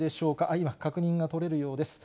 今、確認が取れるようです。